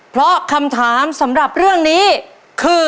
เพราะคำถามสำหรับเรื่องนี้คือ